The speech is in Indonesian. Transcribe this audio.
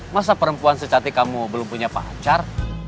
masa perempuan secatik kamu belum punya pacar